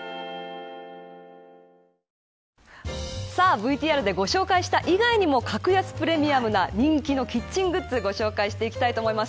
ＶＴＲでご紹介した以外にも格安プレミアムな人気のキッチングッズをご紹介していきたいと思います。